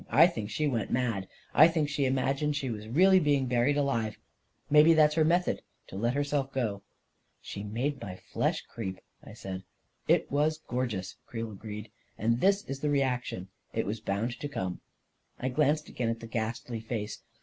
I think she went mad — I think she imag ined she was really being buried alive ; maybe that's her method — to let herself go." 44 She made my flesh creep 1 " I said. 44 It was gorgeous," Creel agreed; 44 and this is the reaction. It was bound to come." I glanced again at the ghastly face.